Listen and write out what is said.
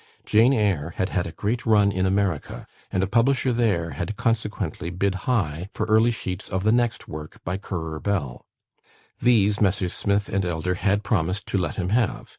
"Jane Eyre" had had a great run in America, and a publisher there had consequently bid high for early sheets of the next work by "Currer Bell." These Messrs. Smith and Elder had promised to let him have.